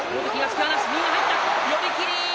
寄り切り。